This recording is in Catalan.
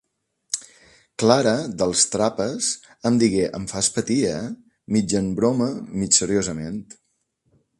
Clara, dels Trapas, em digué "em fas patir, eh?", mig em broma mig seriosament.